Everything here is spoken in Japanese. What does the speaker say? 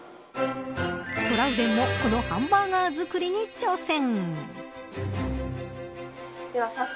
トラウデンもこのハンバーガー作りに挑戦。